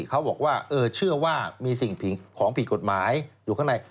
เขาบอกว่าเชื่อว่ามีสิ่งของผิดกฎหมายอยู่ข้างใน